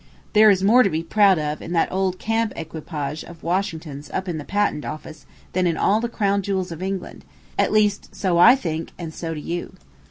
There is more to be proud of in that old camp equipage of Washington's up in the patent office than in all the crown jewels of England at least, so I think, and so do you.